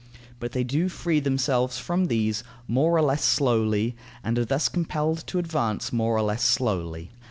But they do free themselves from these, more or less slowly, and thus are compelled to advance, more or less slowly.